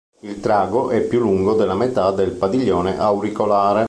Il trago è più lungo della metà del padiglione auricolare.